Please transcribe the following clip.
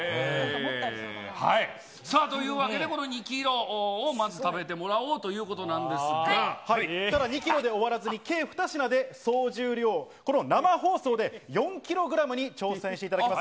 というわけで、この２キロをまず食べてもらおうということなんでただ、２キロで終わらずに、計２品で総重量この生放送で４キログラムに挑戦していただきます